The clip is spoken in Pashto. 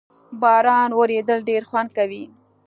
باران ورېدل ډېر خوند کوي